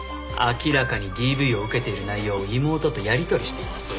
明らかにＤＶを受けている内容を妹とやり取りしています。